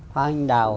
hoa hình đào